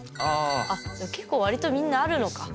結構、割とみんなあるのか。